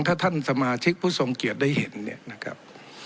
ถ้าท่านสมาชิกผู้ทรงเกียจได้เห็นเนี่ยนะครับ